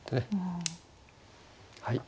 はい。